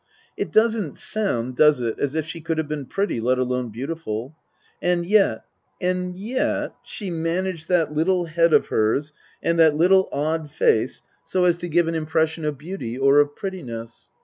It doesn't sound does it ? as if she could have been pretty, let alone beautiful ; and yet and yet she managed that little head of hers and that little odd face so as to give an 12 Tasker Jevons impression of beauty or of prettiness.